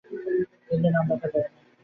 হিন্দু নাম রাখা যাবে না।